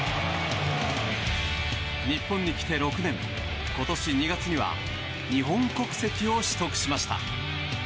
日本に来て６年、今年２月には日本国籍を取得しました。